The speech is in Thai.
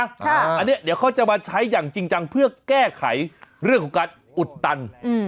อันนี้เดี๋ยวเขาจะมาใช้อย่างจริงจังเพื่อแก้ไขเรื่องของการอุดตัน